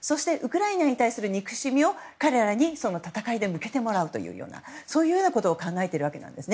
そして、ウクライナに対する憎しみを彼らに、戦いで向けてもらうということを考えているわけです。